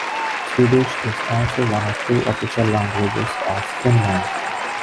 Swedish is also one of two official languages of Finland.